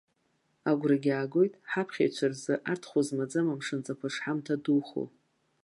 Агәрагьы аагоит, ҳаԥхьаҩцәа рзы арҭ хәы змаӡам амшынҵақәа шҳамҭа духо!